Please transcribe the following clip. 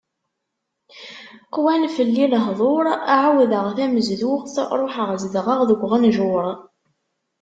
Qwan fell-i lehḍur, ɛawdeɣ tamezduɣt, ruḥeɣ zedɣeɣ deg uɣenǧur.